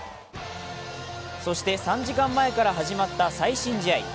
そして３時間前から始まった最新試合。